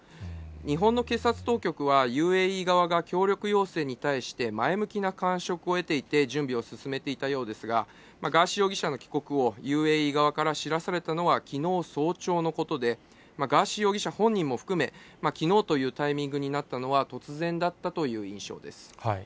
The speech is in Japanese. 日本の警察当局は、ＵＡＥ側が協力要請に対して、前向きな感触を得ていて準備を進めていたようですが、ガーシー容疑者の帰国をＵＡＥ側から知らされたのはきのう早朝のことで、ガーシー容疑者本人も含め、きのうというタイミングになったのは、突然だったという印象です。